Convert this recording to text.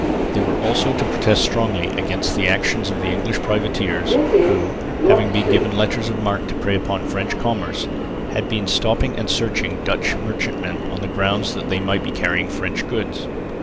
They were also to protest strongly against the action of English privateers, who, having been given letters of marque to prey upon French commerce, had been stopping and searching Dutch merchantmen on the ground that they might be carrying French goods.